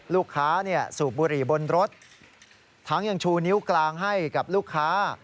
ลูกค้าสูบบุหรี่บนรถทั้งยังชูนิ้วกลางให้กับลูกค้า